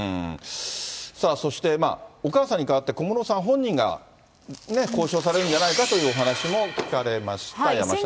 そしてお母さんに代わって小室さん本人がね、交渉されるんじゃないかというお話も聞かれました、山下さん。